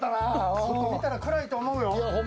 外、見たら暗いと思うよ。